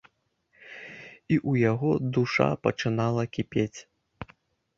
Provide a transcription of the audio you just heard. І ў яго душа пачынала кіпець.